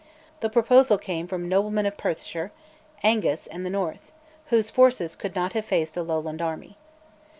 The proposal came from noblemen of Perthshire, Angus, and the north, whose forces could not have faced a Lowland army.